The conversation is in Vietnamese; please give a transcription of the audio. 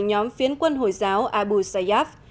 nhóm phiến quân hồi giáo abu sayyaf